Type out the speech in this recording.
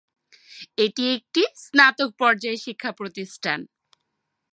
এটি একটি স্নাতক পর্যায়ের শিক্ষা প্রতিষ্ঠান।